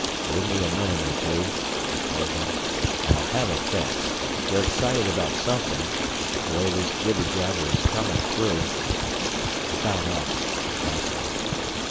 "Give me a minute or two," he told them, "and I'll have a fix. They're excited about something the way this jabber jabber is coming through " "About us," Raf thought.